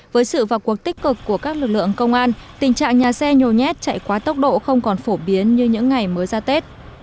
với sự vào cuộc tích cực của các lực lượng công an tình trạng nhà xe nhồi nhét chạy quá tốc độ không còn phổ biến như những ngày mới ra tết